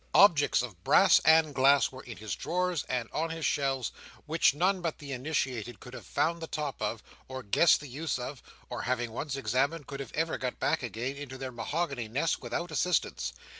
Objects in brass and glass were in his drawers and on his shelves, which none but the initiated could have found the top of, or guessed the use of, or having once examined, could have ever got back again into their mahogany nests without assistance.